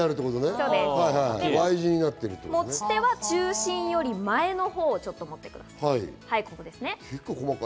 持ち手は中心より前のほうを持ってください。